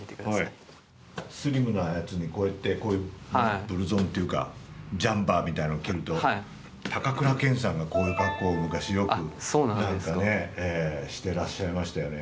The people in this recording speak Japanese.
スリムなやつにこういうブルゾンっていうかジャンパーみたいなのを着ると高倉健さんが、こういう格好を昔よくなんかねしてらっしゃいましたよね。